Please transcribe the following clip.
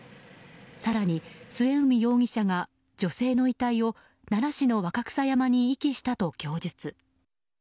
更に末海容疑者が女性の遺体を奈良市の若草山に遺棄したと供述。